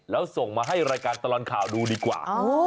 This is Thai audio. แล้วส่งมาให้รายการตลอดข่าวดูดีกว่า